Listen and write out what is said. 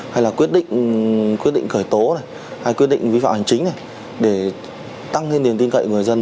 hay là quyết định khởi tố hay quyết định vi phạm hành chính để tăng thêm tiền tin cậy người dân